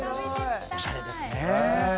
おしゃれですね。